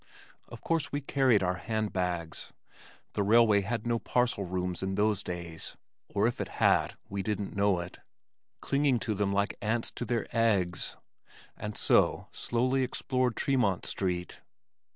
Of course we carried our hand bags (the railway had no parcel rooms in those days, or if it had we didn't know it) clinging to them like ants to their eggs and so slowly explored Tremont Street.